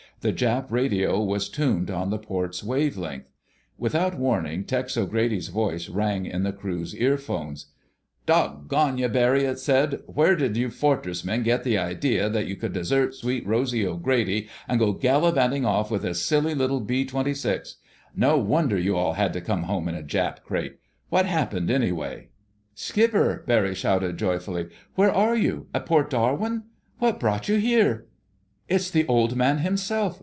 The Jap radio was tuned on the port's wave length. Without warning Tex O'Grady's voice rang in the crew's earphones. "Dawg gone you, Barry," it said. "Where did you Fortress men get the idea that you could desert Sweet Rosy O'Grady and go gallivanting off with a silly little B 26? No wonder you all had to come home in a Jap crate! What happened, anyway?" "Skipper!" Barry shouted joyfully. "Where are you—at Port Darwin? What brought you here—" "It's the Old Man himself!"